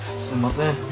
すんません。